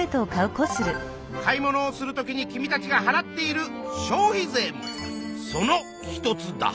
買い物をする時に君たちがはらっている消費税もその一つだ。